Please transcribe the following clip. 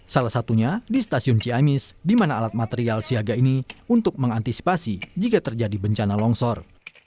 salah satunya di stasiun ciamis di mana alat material siaga ini untuk mengantisipasi jika terjadi bencana longsor